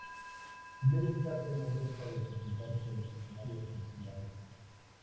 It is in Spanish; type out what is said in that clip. Vía de Escape no deja de presentarse en los escenarios insulares.